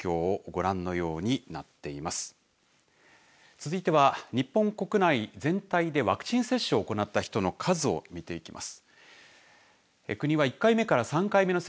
続いては日本国内全体でワクチン接種を行った人の数を見ていきます。